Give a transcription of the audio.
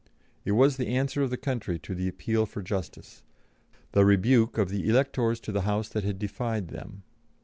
It was the answer of the country to the appeal for justice, the rebuke of the electors to the House that had defied them.